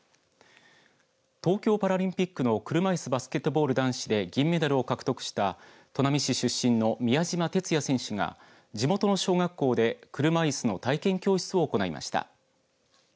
東京パラリンピックの車いすバスケットボール男子で銀メダルを獲得した砺波市出身の宮島徹也選手が地元の小学校で車いすの体験教室を行いました。